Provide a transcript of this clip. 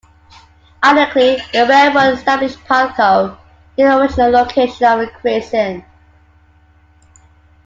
Ironically, the railroad established Palco near the original location of Cresson.